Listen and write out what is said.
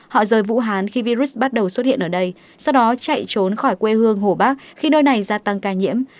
họ rời vũ hán khi virus bắt đầu xuất hiện ở đây sau đó chạy trốn khỏi quê hương hồ bắc khi nơi này gia tăng ca nhiễm